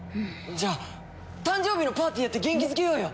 じゃあ誕生日のパーティーやって元気づけようよ！